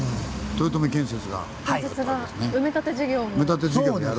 豊臣建設。